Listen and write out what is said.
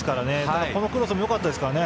このクロスもよかったですからね。